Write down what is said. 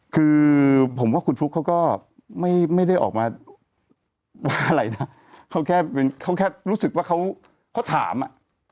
คือผมว่าคุณฟลุ๊กเขาก็ไม่ได้ออกมาว่าอะไรนะเขาแค่เขาแค่รู้สึกว่าเขาถามอ่ะ